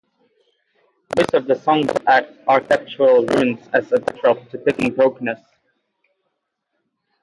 Most of the songs have architectural ruins as a backdrop, depicting brokeness.